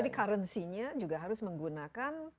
jadi currency nya juga harus menggunakan